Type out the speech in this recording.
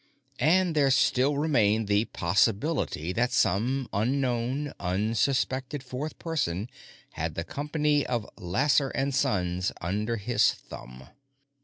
And there still remained the possibility that some unknown, unsuspected fourth person had the company of Lasser & Sons under his thumb.